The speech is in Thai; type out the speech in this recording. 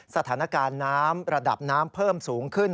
สถานการณ์น้ำระดับน้ำเพิ่มสูงขึ้น